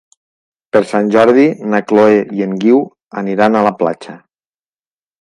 Per Sant Jordi na Chloé i en Guiu aniran a la platja.